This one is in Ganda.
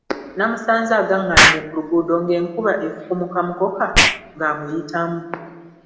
Namusanze agangalamye ku luguudo ng'enkuba efukumuka mukoka ng'amuyitamu.